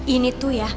ini tuh ya